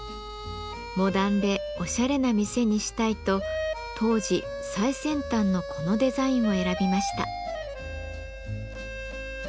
モダンでオシャレな店にしたいと当時最先端のこのデザインを選びました。